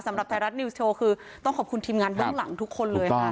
สำหรับไทยรัฐนิวส์โชว์คือต้องขอบคุณทีมงานเบื้องหลังทุกคนเลยค่ะ